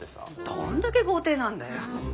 どんだけ豪邸なんだよ。